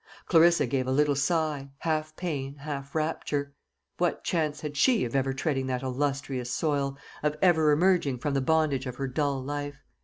Clarissa gave a little sigh half pain, half rapture. What chance had she of ever treading that illustrious soil, of ever emerging from the bondage of her dull life?